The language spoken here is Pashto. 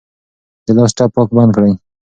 د لاس ټپ پاک بند کړئ.